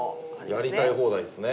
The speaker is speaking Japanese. やりたい放題ですね。